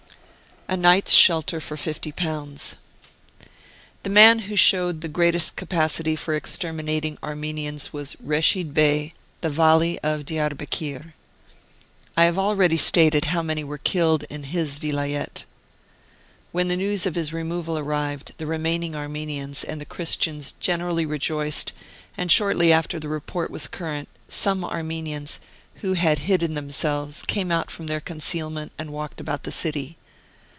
A NIGHT'S SHELTER FOR FIFTY POUNDS. The man who showed the greatest capacity for exter minating Armenians was Reshid Bey, the Vali of Diarbekir. I have already stated how many were killed in his Vilayet. When news of his re moval arrived, the remaining Armenians and the Christians generally rejoiced, and shortly after the report was current some Armenians, who had hidden themselves, came out from their conceal ment and walked about the city.